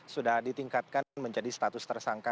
sudah ditingkatkan menjadi status tersangka